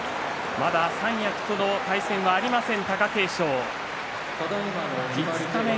まだ三役との戦いがありません